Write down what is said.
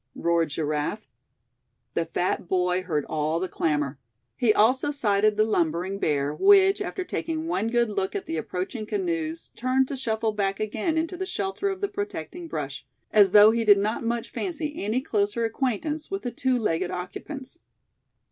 roared Giraffe. The fat boy heard all the clamor. He also sighted the lumbering bear, which, after taking one good look at the approaching canoes, turned to shuffle back again into the shelter of the protecting brush, as though he did not much fancy any closer acquaintance with the two legged occupants.